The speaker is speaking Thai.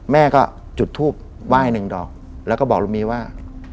แม่ก็จุดทูบไหว้หนึ่งดอกแล้วก็บอกลุงมีว่า